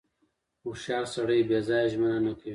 • هوښیار سړی بې ځایه ژمنه نه کوي.